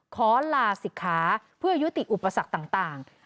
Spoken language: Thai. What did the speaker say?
ขอลาศิกขาเพื่อยุติอุปสรรคต่าง